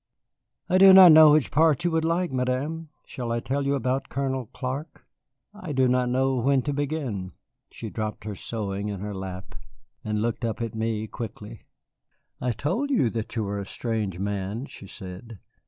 "I do not know which part you would like, Madame. Shall I tell you about Colonel Clark? I do not know when to begin " She dropped her sewing in her lap and looked up at me quickly. "I told you that you were a strange man," she said.